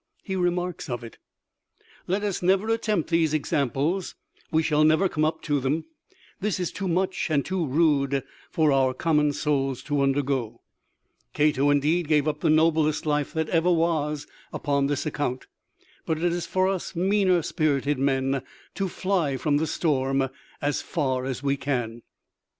He remarks of it: "Let us never attempt these Examples; we shall never come up to them. This is too much and too rude for our common souls to undergo. CATO indeed gave up the noblest Life that ever was upon this account, but it is for us meaner spirited men to fly from the storm as far as we can."